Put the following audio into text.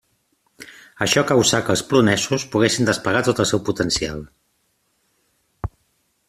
Això causà que els polonesos poguessin desplegar tot el seu potencial.